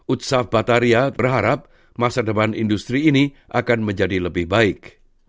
utsa bataria berharap masa depan industri ini akan menjadi lebih baik